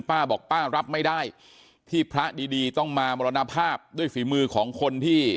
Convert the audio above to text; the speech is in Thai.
ป้าบอกป้ารับไม่ได้ที่พระดีดีต้องมามรณภาพด้วยฝีมือของคนที่